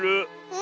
え。